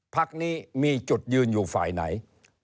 พักนี้มีจุดยืนอยู่ฝ่ายไหน